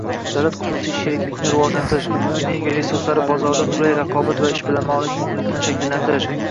davlat-xususiy sheriklikni rivojlantirish, energiya resurslari bozorida qulay raqobat va ishbilarmonlik muhitini shakllantirish